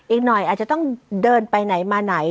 อีกหน่อยอาจจะต้องเดินไปไหนมาไหน